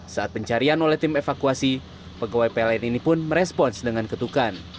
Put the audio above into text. saat pencarian oleh tim evakuasi pegawai pln ini pun merespons dengan ketukan